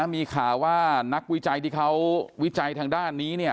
มีข่าวว่านักวิจัยที่เขาวิจัยทางด้านนี้